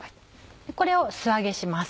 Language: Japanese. これを素揚げします。